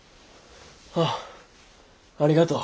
ああありがとう。